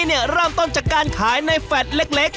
เริ่มต้นจากการขายในแฟลต์เล็ก